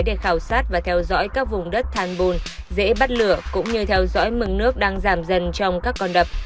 để khảo sát và theo dõi các vùng đất than bùn dễ bắt lửa cũng như theo dõi mừng nước đang giảm dần trong các con đập